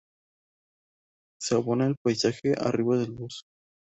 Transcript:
Se abona el pasaje arriba del bus.